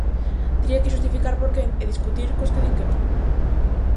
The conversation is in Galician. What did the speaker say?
Tería que xustificar por que e discutir cos que din que non.